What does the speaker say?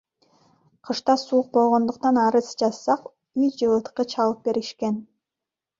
Кышта суук болгондуктан, арыз жазсак, үй жылыткыч алып беришкен.